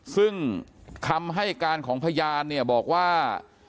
ซึ่งคำให้การของพยานเนี่ยบอกว่า